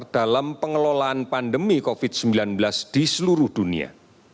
dalam pengelolaan pandemi covid sembilan belas di seluruh dunia